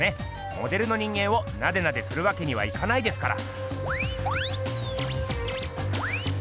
モデルの人間をナデナデするわけにはいかないですから。